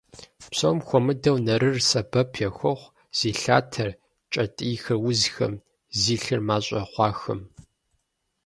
Псом хуэмыдэу нарыр сэбэп яхуохъу зи лъатэр, кӀэтӀийхэр узхэм, зи лъыр мащӀэ хъуахэм.